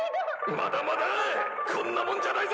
まだまだ！こんなもんじゃないぞ！